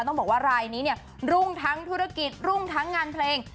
ต้องบอกว่ารายนี้เนี่ยรุ่งทั้งธุรกิจรุ่งทั้งงานเพลง